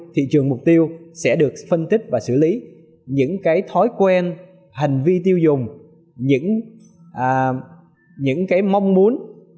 thị trường mục tiêu sẽ được phân tích và xử lý những cái thói quen hành vi tiêu dùng những cái mong muốn